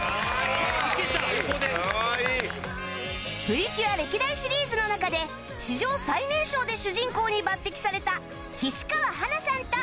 プリキュア歴代シリーズの中で史上最年少で主人公に抜擢された菱川花菜さんと